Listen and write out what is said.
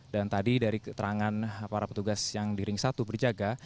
tadi dari keterangan para petugas yang di ring satu berjaga